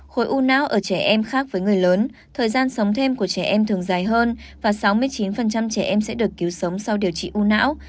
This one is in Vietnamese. khối u não ở trẻ em khác với người lớn thời gian sống thêm của trẻ em thường dài hơn và sáu mươi chín trẻ em sẽ được cứu sống sau điều trị u não